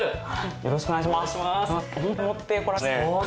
よろしくお願いします。